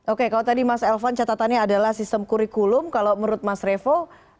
oke kalau tadi mas elvan catatannya adalah sistem kurikulum kalau menurut mas revo